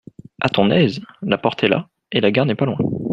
A ton aise ! la porte est là, et la gare n'est pas loin.